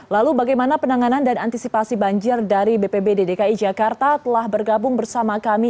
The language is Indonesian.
lalu bagaimana penanganan dan antisipasi banjir dari bpbd dki jakarta telah bergabung bersama kami